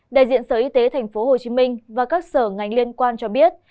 đại diện sở y tế tp hcm và các sở ngành liên quan cho biết